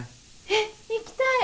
えっ行きたい！